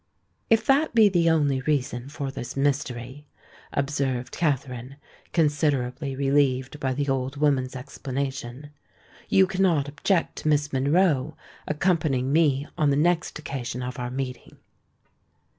"If that be the only reason for this mystery," observed Katherine, considerably relieved by the old woman's explanation, "you cannot object to Miss Monroe accompanying me on the next occasion of our meeting."